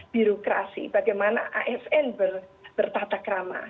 birokrasi bagaimana asn bertata krama